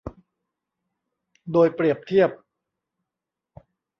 โดยเปรียบเทียบ